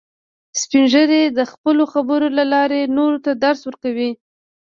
سپین ږیری د خپلو خبرو له لارې نورو ته درس ورکوي